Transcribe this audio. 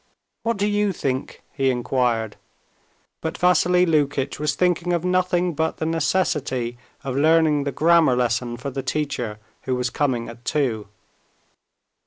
"What do you think?" he inquired. But Vassily Lukitch was thinking of nothing but the necessity of learning the grammar lesson for the teacher, who was coming at two.